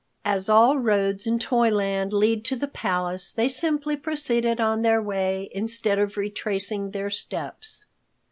As all roads in Toyland lead to the palace, they simply proceeded on their way instead of retracing their steps.